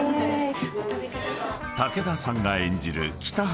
［武田さんが演じる北原